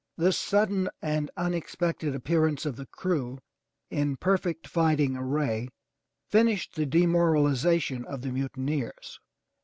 This sudden and unexpected appearance of the crew in perfect fighting array, finished the demoralization of the mutineers.